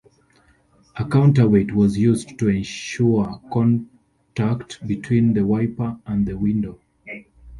A counterweight was used to ensure contact between the wiper and the window.